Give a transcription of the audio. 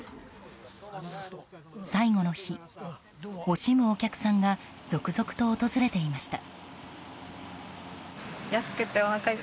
最後の日、惜しむお客さんが続々と訪れていました。